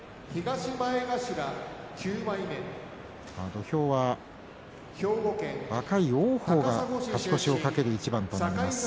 土俵は若い王鵬が勝ち越しを懸ける一番です。